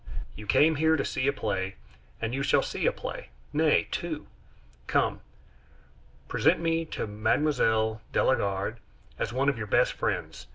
you came here to see a play, and you shall see a play nay, two. Come. Present me to Mme. de la Garde as one of your best friends.